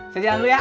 saya jalan dulu ya